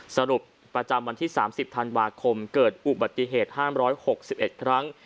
สรุปประจำวันที่๓๐ธันวาคมเกิดอุบัติเหตุ๕๖๑ครั้ง